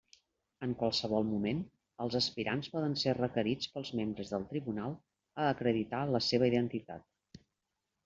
En qualsevol moment, els aspirants poden ser requerits pels membres del tribunal a acreditar la seua identitat.